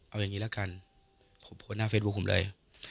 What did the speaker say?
เอาอย่างนี้ละกันผมโพสต์หน้าเฟซบุ๊คผมเลย